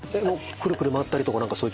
くるくる回ったりとか。